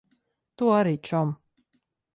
Tu arī, čom.